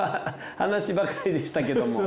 話しばかりでしたけども。